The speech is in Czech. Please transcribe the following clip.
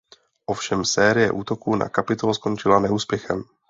Ovšem série útoků na Kapitol skončila neúspěchem.